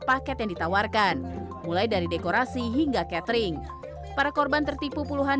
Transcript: paket yang ditawarkan mulai dari dekorasi hingga catering para korban tertipu puluhan